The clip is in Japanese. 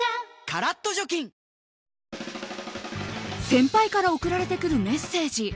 カラッと除菌先輩から送られてくるメッセージ。